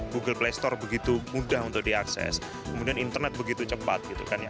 google play store begitu mudah untuk diakses kemudian internet begitu cepat gitu kan ya